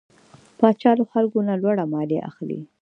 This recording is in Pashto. پاچا له خلکو نه لوړه ماليه اخلي .